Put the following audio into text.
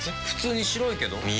普通に白いけど。